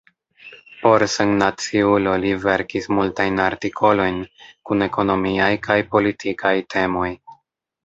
Por Sennaciulo li verkis multajn artikolojn kun ekonomiaj kaj politikaj temoj.